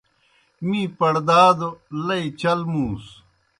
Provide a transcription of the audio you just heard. می پڑدادوْ لئی چل مُوں سوْ۔